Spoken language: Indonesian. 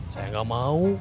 saya gak mau